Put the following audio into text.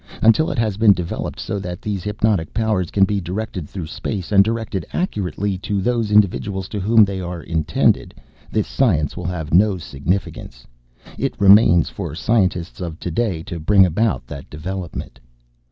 Until it has been developed so that those hypnotic powers can be directed through space, and directed accurately to those individuals to whom they are intended, this science will have no significance. It remains for scientists of to day to bring about that development."